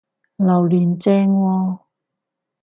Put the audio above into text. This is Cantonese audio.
榴槤正喎！